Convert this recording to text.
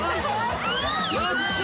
よっしゃ！